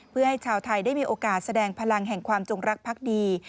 เพื่อให้ชาวไทยได้มีโอกาสแสดงพลังแห่งความจงรักพักดี